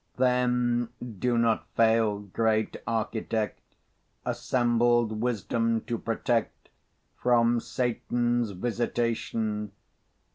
Then do not fail, great architect, Assembled wisdom to protect From Satan's visitation.